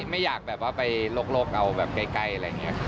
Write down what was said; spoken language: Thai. ไม่อยากไปลกเอาใกล้อะไรอย่างนี้